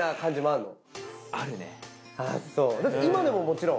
今でももちろん。